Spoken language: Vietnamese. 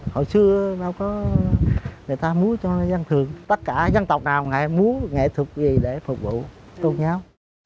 hồi xưa đâu có người ta múa cho dân thường tất cả dân tộc nào múa nghệ thuật gì để phục vụ tôn giáo